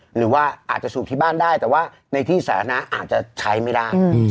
หรือว่าอาจจะสูบที่บ้านได้แต่ว่าในที่สาธารณะอาจจะใช้ไม่ได้